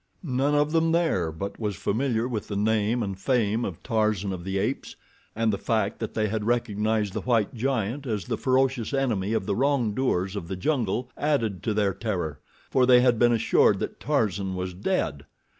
None of them there but was familiar with the name and fame of Tarzan of the Apes, and the fact that they had recognized the white giant as the ferocious enemy of the wrongdoers of the jungle, added to their terror, for they had been assured that Tarzan was dead.